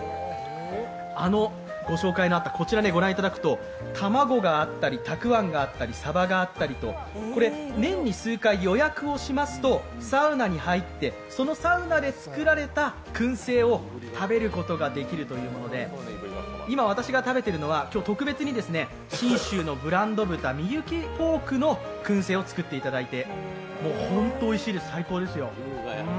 あのご紹介のあった、卵があったりたくあんがあったり、サバがあったりと年に数回予約をしますとサウナに入って、そのサウナで作られたくん製を食べることができるというもので今私が食べているのは、今日特別に信州のブランド豚、みゆきポークのくん製を作っていただいて、ホントおいしいです、最高ですよ。